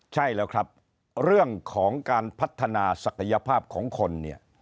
ใช่แล้วครับเรื่องของการพัฒนาศักยภาพของคนเนี่ย